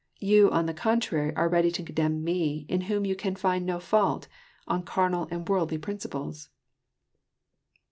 You on the contrary are ready to condemn Mc, in whom you can find no fault, on carnal and worldly principles."